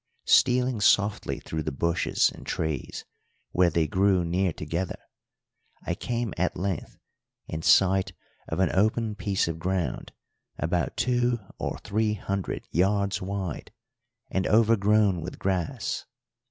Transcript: Stealing softly through the bushes and trees where they grew near together, I came at length in sight of an open piece of ground, about two or three hundred yards wide, and overgrown with grass.